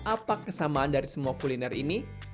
apa kesamaan dari semua kuliner ini